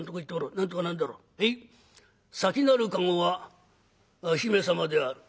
「先なる駕籠は姫様である」。